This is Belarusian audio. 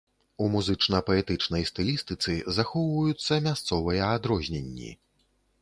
У музычна-паэтычнай стылістыцы захоўваюцца мясцовыя адрозненні.